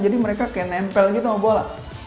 jadi mereka kayak nempel gitu sama bola